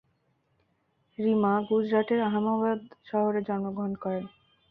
রিমা গুজরাটের আহমেদাবাদ শহরে জন্মগ্রহণ করেন।